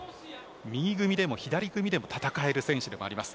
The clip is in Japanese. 右組みでも左組みでも戦える選手でもあります。